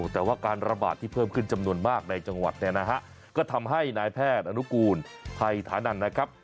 แต่ว่าการระบาดที่เพิ่มขึ้นจำนวนมากในจังหวัดเนี่ยนะฮะก็ทำให้นายแพทย์อนุกูลไทยฐานันนะครับ